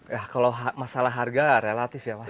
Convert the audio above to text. ya kalau masalah harga relatif ya mas